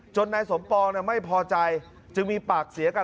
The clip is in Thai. นายสมปองไม่พอใจจึงมีปากเสียกัน